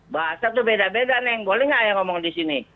bahasa tuh beda beda nih boleh nggak yang ngomong di sini